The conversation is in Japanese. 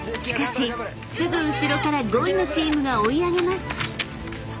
しかしすぐ後ろから５位のチームが追い上げます］